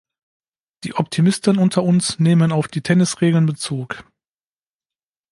Die Optimisten unter uns nehmen auf die Tennisregeln Bezug.